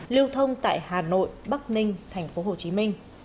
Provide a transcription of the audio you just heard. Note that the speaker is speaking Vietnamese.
lưu thông tại hà nội bắc ninh tp hcm